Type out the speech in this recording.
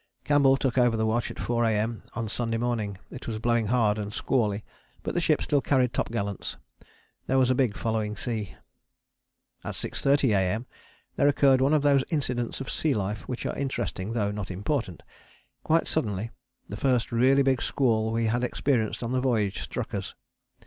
Campbell took over the watch at 4 A.M. on Sunday morning. It was blowing hard and squally, but the ship still carried topgallants. There was a big following sea. At 6.30 A.M. there occurred one of those incidents of sea life which are interesting though not important. Quite suddenly the first really big squall we had experienced on the voyage struck us.